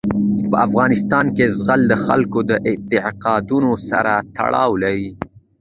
په افغانستان کې زغال د خلکو د اعتقاداتو سره تړاو لري.